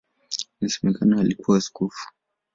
Inasemekana alikuwa askofu.